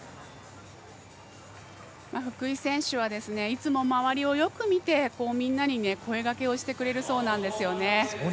福井選手はいつも周りをよく見てみんなに声がけをしてくれるそうなんですよね。